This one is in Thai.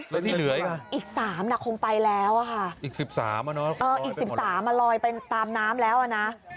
แล้วที่เหลือเองก็อีก๓คงไปแล้วอ่ะค่ะอีก๑๓ลอยไปตามน้ำแล้วอ่ะนะ